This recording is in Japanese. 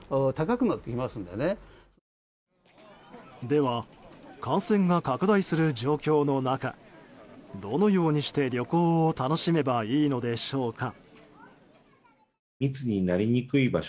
では、感染が拡大する状況の中どのようにして旅行を楽しめばいいのでしょうか。